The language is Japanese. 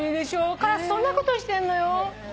カラスそんなことしてんのよ。